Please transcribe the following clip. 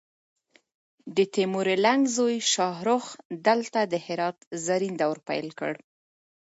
د تیمور لنګ زوی شاهرخ دلته د هرات زرین دور پیل کړ